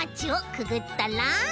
くぐったら？